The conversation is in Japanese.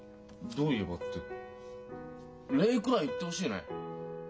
「どう言えば」って礼くらい言ってほしいね。